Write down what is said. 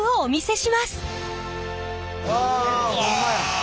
うわホンマや！